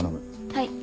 はい。